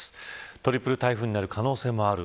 トリプル台風になる可能性もある。